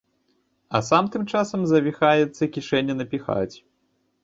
А сам тым часам завіхаецца кішэні напіхаць.